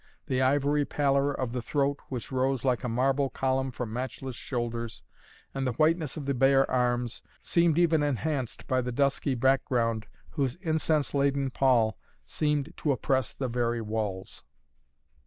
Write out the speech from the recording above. The ivory pallor of the throat, which rose like a marble column from matchless shoulders, and the whiteness of the bare arms, seemed even enhanced by the dusky background whose incense laden pall seemed to oppress the very walls.